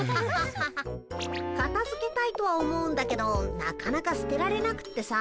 かたづけたいとは思うんだけどなかなか捨てられなくってさ。